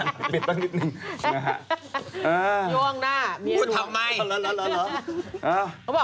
เยิ่งห้องหน้า